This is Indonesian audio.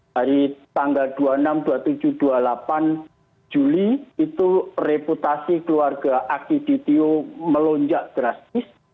dari tanggal dua puluh enam dua puluh tujuh dua puluh delapan juli itu reputasi keluarga aki ditiu melonjak drastis